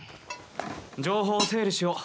情報を整理しよう。